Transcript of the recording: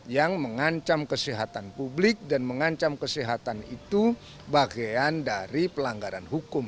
yang mengancam kesehatan publik dan mengancam kesehatan itu bagian dari pelanggaran hukum